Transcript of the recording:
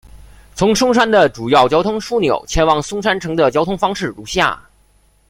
从松山的主要交通枢纽前往松山城的交通方式如下。